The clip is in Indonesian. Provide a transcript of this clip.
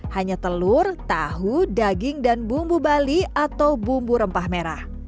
hanya telur tahu daging dan bumbu bali atau bumbu rempah merah